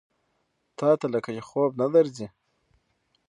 تاته لکه چې خوب نه درځي؟